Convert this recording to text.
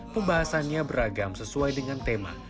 pembahasannya beragam sesuai dengan tema